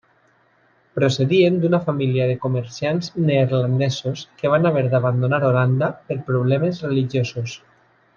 Procedien d'una família de comerciants neerlandesos que van haver d'abandonar Holanda per problemes religiosos.